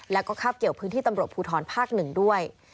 และก็ครับเกี่ยวพื้นที่ตำรวจภูทรภาคหนึ่งด้วย